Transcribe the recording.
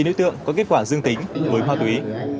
chín đối tượng có kết quả dương tính với ma túy